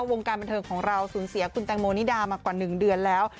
วงการบันเทิงของเราสูญเสียคุณแตงโมนิดามากว่า๑เดือนแล้ว